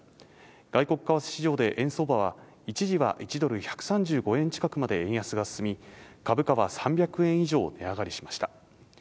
外国為替市場で円相場は一時は１ドル＝１３５円近くまで円安が進み株価は３００円以上値上がりしました。